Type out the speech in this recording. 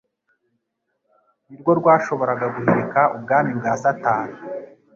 ni rwo rwashoboraga guhirika ubwami bwa Satani.